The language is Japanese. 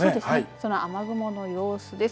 その雨雲の様子です。